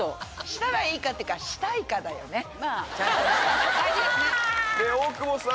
したらいいかっていうかしたいかだよねちゃんとね。